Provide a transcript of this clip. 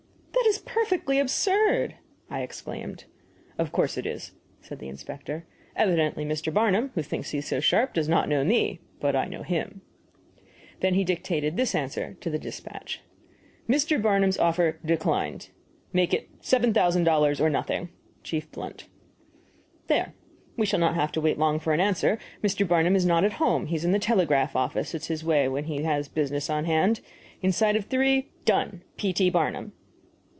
"That is perfectly absurd!" I exclaimed. "Of course it is," said the inspector. "Evidently Mr. Barnum, who thinks he is so sharp, does not know me but I know him." Then he dictated this answer to the despatch: Mr. Barnum's offer declined. Make it $7,000 or nothing. Chief BLUNT. "There. We shall not have to wait long for an answer. Mr. Barnum is not at home; he is in the telegraph office it is his way when he has business on hand. Inside of three " Done. P. T. BARNUM.